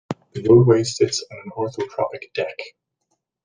The roadway sits on an orthotropic deck.